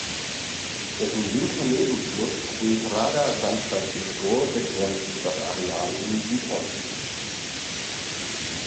Dessen linker Nebenfluss Quebrada San Francisco begrenzt das Areal im Südosten.